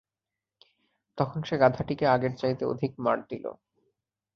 তখন সে গাধাটিকে আগের চাইতে অধিক মার দিল।